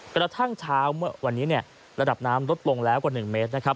กระทั่งเช้าเมื่อวันนี้ระดับน้ำลดลงแล้วกว่า๑เมตรนะครับ